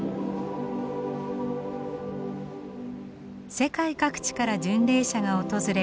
世界各地から巡礼者が訪れる教会。